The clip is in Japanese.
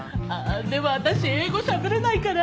でも私英語しゃべれないから。